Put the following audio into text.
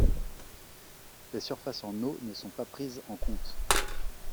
Les surfaces en eaux ne sont pas prises en compte.